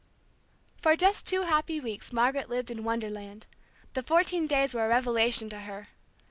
For just two happy weeks Margaret lived in Wonderland. The fourteen days were a revelation to her.